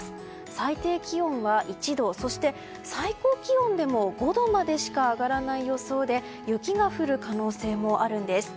最低気温は１度そして最高気温でも５度までしか上がらない予想で雪が降る可能性もあるんです。